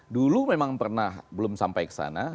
dulu memang pernah belum sampai ke sana